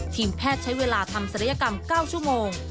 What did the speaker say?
ทีมแพทย์ใช้เวลาทำศัลยกรรม๙ชั่วโมง